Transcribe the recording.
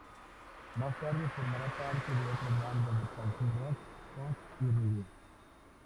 Más tarde formará parte de otras bandas de punk-rock, punk y reggae.